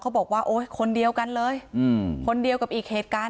บอกว่าโอ๊ยคนเดียวกันเลยคนเดียวกับอีกเหตุการณ์